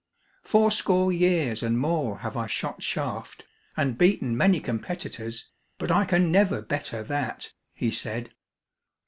"Fourscore years and more have I shot shaft, and beaten many competitors, but I can never better that," he said.